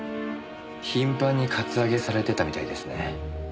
頻繁にカツアゲされてたみたいですね。